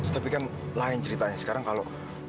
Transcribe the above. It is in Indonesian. tapi kan lain ceritanya sekarang kalau